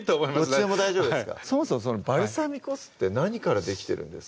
どっちでも大丈夫ですかそもそもバルサミコ酢って何からできてるんですか？